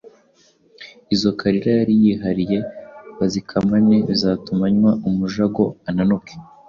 izo Kalira yari yihariye bazikamane bizatume anywa umujago ananuke